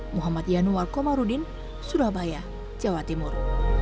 muhammad yanuar komarudin surabaya jawa timur